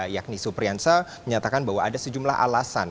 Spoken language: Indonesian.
yakni supriyansa menyatakan bahwa ada sejumlah alasan